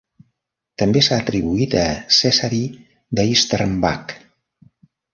També s'ha atribuït a Cessari d'Heisterbach.